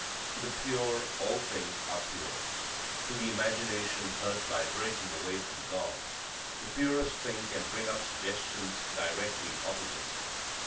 To the pure all things are pure. To the imagination hurt by breaking away from God, the purest things can bring up suggestions directly opposite.